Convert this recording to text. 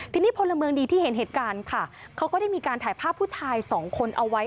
ทีนี้พลเมืองดีที่เห็นเหตุการณ์ค่ะเขาก็ได้มีการถ่ายภาพผู้ชายสองคนเอาไว้